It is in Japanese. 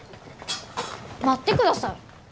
待ってください。